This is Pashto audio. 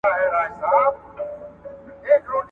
• بې عقل دونه په بل نه کوي، لکه په ځان.